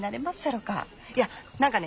いや何かね